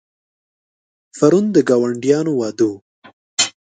پرون د ګاونډیانو واده و.